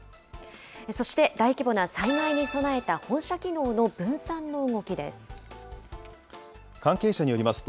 そして、大規模な災害に備えた、本社機能の分散の動きです。